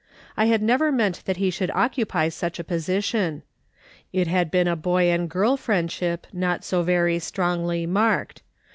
I had never meant that he should occupy such a position. It had been a boy and girl friendship, not so very strongly marked.